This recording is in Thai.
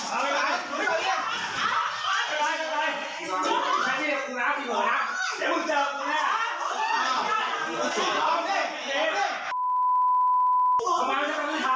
อะไรไอ้จับให้กูมีเนี่ย